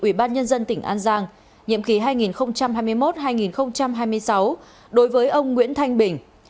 ủy ban nhân dân tỉnh an giang nhiệm kỳ hai nghìn hai mươi một hai nghìn hai mươi sáu đối với ông nguyễn thanh bình